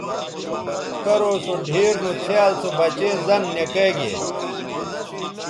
کرو سو ڈِھیر نو څھیال سو بچے زَن نِکئے گے